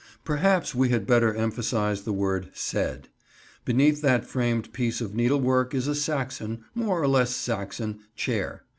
Perhaps we had better emphasise the word said. Beneath that framed piece of needlework is a Saxon—more or less Saxon—chair.